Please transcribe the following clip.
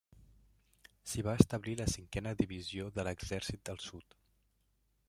S'hi va establir la cinquena divisió de l'exèrcit del sud.